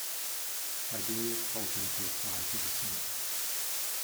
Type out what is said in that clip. Tiberius told him to apply to the senate.